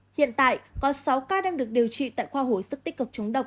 hiện tại có sáu ca đang được điều trị tại khoa hồi sức tích cực chống độc